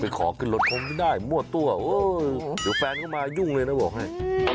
ขอขึ้นรถคงไม่ได้มั่วตัวเดี๋ยวแฟนเข้ามายุ่งเลยนะบอกให้